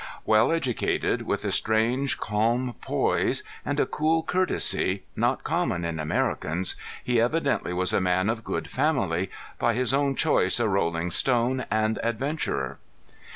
Well educated, with a strange calm poise, and a cool courtesy, not common in Americans, he evidently was a man of good family, by his own choice a rolling stone and adventurer.